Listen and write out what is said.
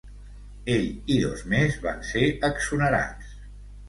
Ell i dos més van ser exonerats.